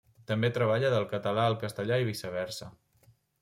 També treballa del català al castellà i viceversa.